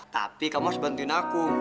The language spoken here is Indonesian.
tapi kamu harus bantuin aku